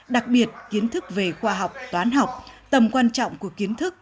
đặc biệt kiến thức về khoa học toán học tầm quan trọng của kiến thức